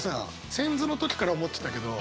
仙豆の時から思ってたけど